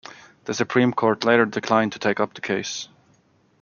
The Supreme Court later declined to take up the case.